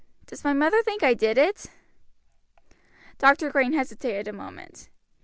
Does my mother think I did it?" Dr. Green hesitated a moment.